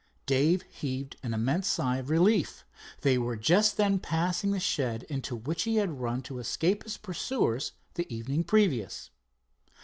Dave heaved an immense sigh of relief. They were just then passing the shed into which he had run to escape his pursuers the evening previous.